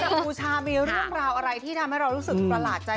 แล้วกับพู่ชาไมีเรื่องมีอะไรที่ทำให้เรารู้สึกประหลาดใจ